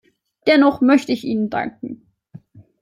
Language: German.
Dennoch möchte ich Ihnen danken.